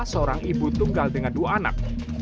seorang ibu tunggal dengan dua anak